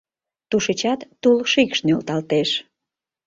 Тушечат тул-шикш нӧлталтеш.